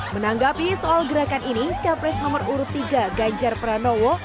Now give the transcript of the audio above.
menanggapi soal gerakan ini capres nomor urut tiga ganjar pranowo